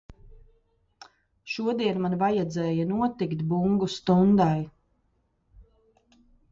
Šodien man vajadzēja notikt bungu stundai.